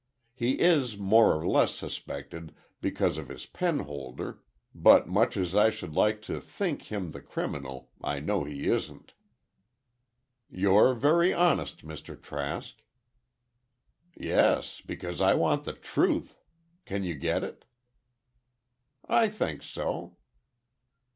He is more or less suspected because of his penholder, but much as I should like to think him the criminal, I know he isn't." "You're very honest, Mr. Trask." "Yes, because I want the truth. Can you get it?" "I think so."